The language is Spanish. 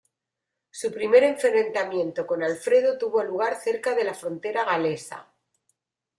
Su primer enfrentamiento con Alfredo tuvo lugar cerca de la frontera galesa.